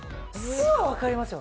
酢は分かりますよ。